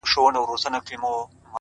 کومه ورځ چي تاته زه ښېرا کوم”